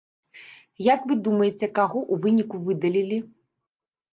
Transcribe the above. Як вы думаеце, каго ў выніку выдалілі?